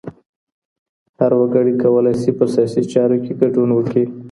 هر وګړی کولای سي په سياسي چارو کي ګډون وکړي.